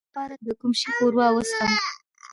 د زکام لپاره د کوم شي ښوروا وڅښم؟